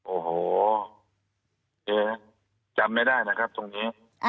โอ้โหจำไม่ได้นะครับตรงนี้